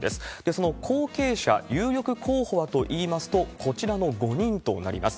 その後継者、有力候補はといいますと、こちらの５人となります。